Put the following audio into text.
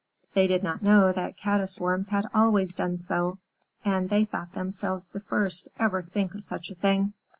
They did not know that Caddis Worms had always done so, and they thought themselves the first to ever think of such a thing.